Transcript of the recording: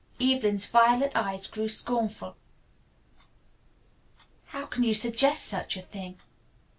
Evelyn's violet eyes grew scornful. "How can you suggest such a thing?"